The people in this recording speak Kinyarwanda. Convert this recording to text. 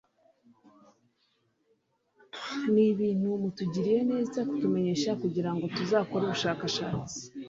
ni ibintu mutugiriye neza kutumenyesha kugirango tuzakore ubushakashatsi ''